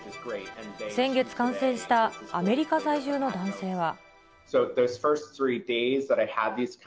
先月感染したアメリカ在住の男性は。